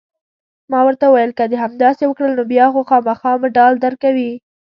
ما ورته وویل: که دې همداسې وکړل، نو بیا خو خامخا مډال درکوي.